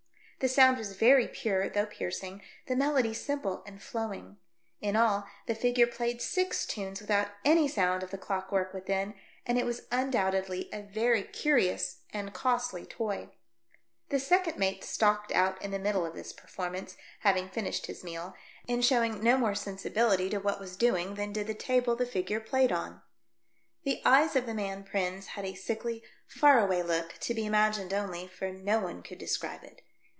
The sound was very pure though piercing, the melody simple and flowing. In all, the figure played six tunes without any sound of the clock work within, and it was undoubtedly a very curious and costly toy. The second mate stalked out in the middle of this performance, having finished his meal, I AM SHOWN A PRESENT FOR MARGARETHA. 131 and showing no more sensibility to what was doing than did the table the figure played on. The eyes of the man Prins had a sickly, far away look, to be imagined only, for no one could describe it.